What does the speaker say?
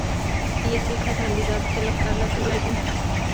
Y eso es en realidad de lo que habla todo el álbum".